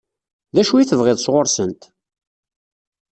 D acu i tebɣiḍ sɣur-sent?